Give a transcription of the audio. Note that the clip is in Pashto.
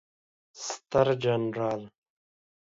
ستر جنرال